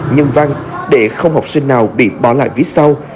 nhân văn để không học sinh nào bị bỏ lại phía sau